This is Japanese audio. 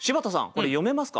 これ読めますか？